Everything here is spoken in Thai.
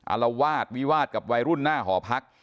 อารวาสวิวาดกับวัยรุ่นหน้าหอพัก